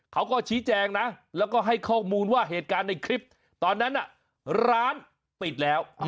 เขาก็ชี้แจงนะแล้วก็ให้ข้อมูลว่าเหตุการณ์ในคลิปตอนนั้นร้านปิดแล้ว